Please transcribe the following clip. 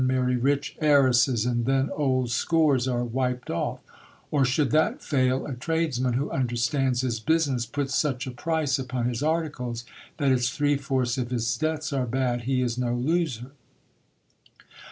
marry rich heiresses, and then old scores are wiped off ; or, should that fail, ; tradesman who understands his business puts such a price upon his articles, tha r if three fourths of his debts are bad, he is no loser.